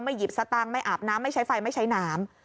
หยิบสตางค์ไม่อาบน้ำไม่ใช้ไฟไม่ใช้น้ำ